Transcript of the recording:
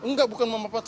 enggak bukan memanfaatkan